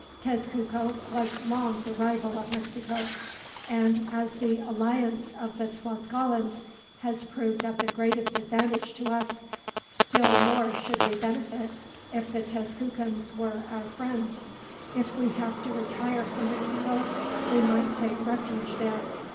Tezcuco was long the rival of Mexico, and as the alliance of the Tlascalans has proved of the greatest advantage to us, still more should we benefit if the Tezcucans were our friends. If we have to retire from Mexico, we might take refuge there.